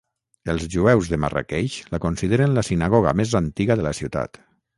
Els jueus de Marràqueix la consideren la sinagoga més antiga de la ciutat.